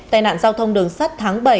tai nạn giao thông đường sắt tháng bảy